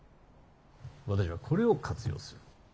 私はこれを活用する。